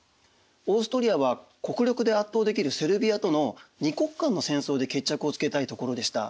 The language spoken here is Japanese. オーストリアは国力で圧倒できるセルビアとの二国間の戦争で決着をつけたいところでした。